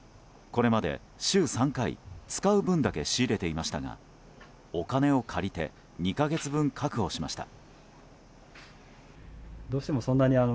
これまで週３回使う分だけ仕入れていましたがお金を借りて２か月分、確保しました。